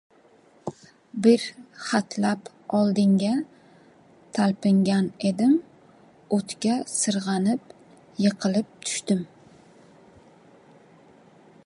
Bir hatlab oldinga talpingan edim, o‘tga sirg‘anib yiqilib tushdim.